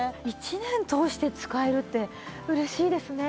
１年通して使えるって嬉しいですね。